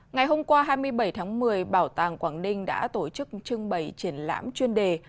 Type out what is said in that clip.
ngày hôm qua hai mươi bảy tháng một mươi bảo tàng quảng ninh đã tổ chức trưng bày triển lãm chuyên đề